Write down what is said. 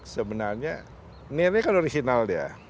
sebenarnya ini kan original dia